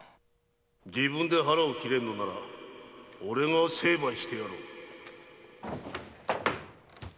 ・自分で腹を切れぬのなら俺が成敗してやろう！